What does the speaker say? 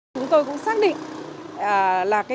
phương vĩnh phúc thuộc quận ba đình nơi đặt bệnh viện phổi trung ương